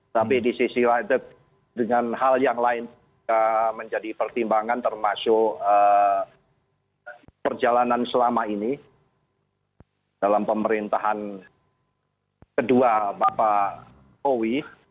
tapi di sisi lain dengan hal yang lain menjadi pertimbangan termasuk perjalanan selama ini dalam pemerintahan kedua bapak owi